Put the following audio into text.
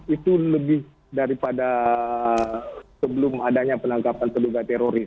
itu lebih daripada sebelum adanya penangkapan terduga teroris